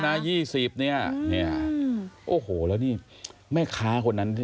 อย่าให้บอกไม่ได้ขอซื้อเขานะ๒๐เนี่ยโอ้โหแล้วนี่แม่ค้าคนนั้น